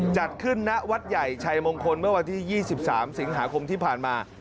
จัดขึ้นณวัดใหญ่ชัยมงคลเมื่อวันที่๒๓สิงหาคมที่ผ่านมา